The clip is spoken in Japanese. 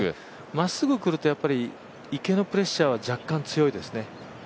まっすぐ来ると池のプレッシャーは若干強いですね。